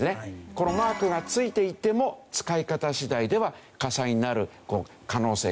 このマークが付いていても使い方次第では火災になる可能性があるという事ですね。